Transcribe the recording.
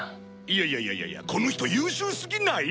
いやいやいやいやいやこの人優秀すぎない？